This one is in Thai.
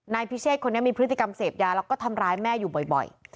พิเชษคนนี้มีพฤติกรรมเสพยาแล้วก็ทำร้ายแม่อยู่บ่อย